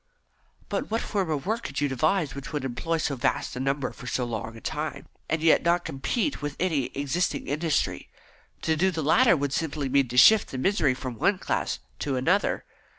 "But what form of work could you devise which would employ so vast a number for so long a time, and yet not compete with any existing industry? To do the latter would simply mean to shift the misery from one class to another."